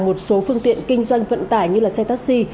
một số phương tiện kinh doanh vận tải như xe taxi